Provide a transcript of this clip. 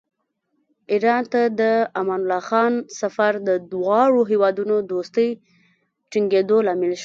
ایران ته د امان الله خان سفر د دواړو هېوادونو دوستۍ ټینګېدو لامل شو.